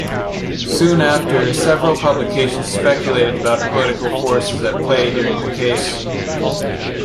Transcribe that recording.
Soon after, several publications speculated about political forces at play during the case.